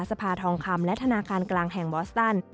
สภาทองคำและธนาคารกลางแห่งบอสตัน